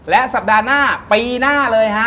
และสัปดาห์หน้าปีหน้าเลยฮะ